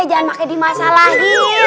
jangan pake di masalahin